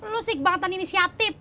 lo sih kebangetan inisiatif